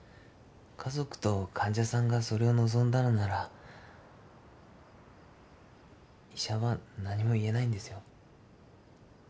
家族と患者さんがそれを望んだのなら医者は何も言えないんですよ。